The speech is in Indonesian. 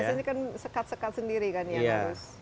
biasanya kan sekat sekat sendiri kan yang harus